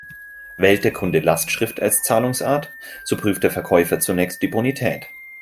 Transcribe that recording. Wählt der Kunde Lastschrift als Zahlungsart, so prüft der Verkäufer zunächst die Bonität.